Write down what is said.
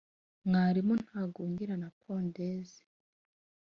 mwalimu ntagungira na mpozenzi